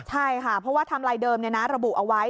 ใช่ค่ะเพราะว่าไทม์ไลน์เดิมระบุเอาไว้